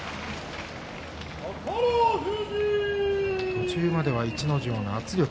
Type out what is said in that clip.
途中までは、逸ノ城の圧力。